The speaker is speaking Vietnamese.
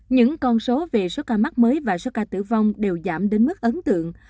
những con số về số ca mắc mới và số ca tử vong đều giảm đến mức ấn tượng